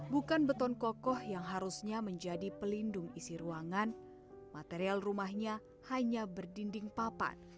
bukan beton kokoh yang harusnya menjadi pelindung isi ruangan material rumahnya hanya berdinding papan